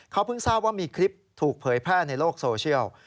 เขาเพิ่งทราบว่ามีคลิปถูกเผยแพร่ในโลกโซเชียล